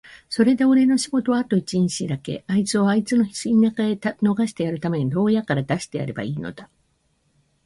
それでおれの仕事はあと一日だけ、あいつをあいつの田舎へ逃してやるために牢屋から出してやればいいのだ。